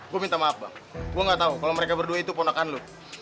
gue minta maaf bang gue gak tau kalau mereka berdua itu ponakan lo